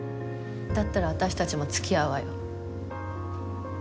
だったら私たちも付き合うわよ。